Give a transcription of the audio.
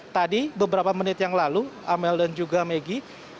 tadi beberapa menit yang lalu amel dan juga megi